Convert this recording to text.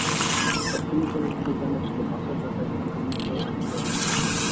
তাৎক্ষণিকভাবে পুলিশ জানিয়েছিল, বাসের ধাক্কায় প্রিয়াঙ্কার মৃত্যু হয়েছে বলে তাদের ধারণা।